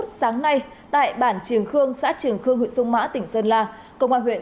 một mươi hai h ba mươi sáng nay tại bản trường khương xã trường khương huyện sông mã tỉnh sơn la công an huyện